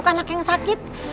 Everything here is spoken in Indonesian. maaf beg saya mau makan